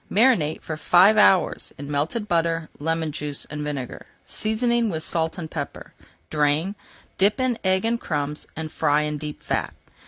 Marinate for five hours in melted butter, lemon juice, and vinegar, seasoning with salt and pepper. Drain, dip in egg and crumbs, and fry in deep fat.